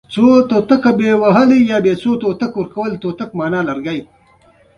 یو یې هم د سلطان محمود استعداد نه درلود.